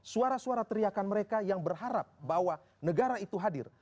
suara suara teriakan mereka yang berharap bahwa negara itu hadir